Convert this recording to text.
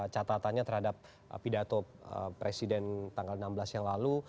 catatannya terhadap pidato presiden tanggal enam belas yang lalu